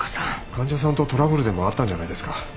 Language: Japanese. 患者さんとトラブルでもあったんじゃないですか？